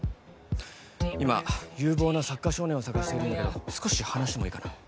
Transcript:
今有望なサッカー少年を探してるんだけど少し話してもいいかな？